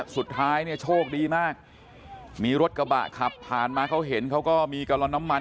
สุดท้ายเนี่ยโชคดีมากมีรถกระบะขับผ่านมาเขาเห็นเขาก็มีกลอนน้ำมัน